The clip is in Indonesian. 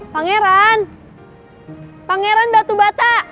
pangeran pangeran batu bata